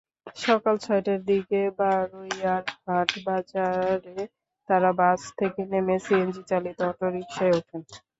সকাল ছয়টার দিকে বারৈয়ারহাট বাজারে তাঁরা বাস থেকে নেমে সিএনজিচালিত অটোরিকশায় ওঠেন।